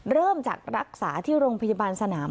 เริ่มจากรักษาที่โรงพยาบาลสนาม